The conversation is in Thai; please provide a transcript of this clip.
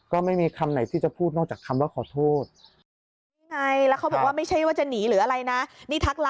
ก็ไม่มีคำไหนที่จะพูดนอกจากคำว่าขอโทษ